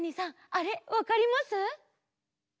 あれわかります？